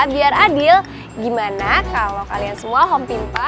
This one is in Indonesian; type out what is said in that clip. biar adil gimana kalau kalian semua home pimpa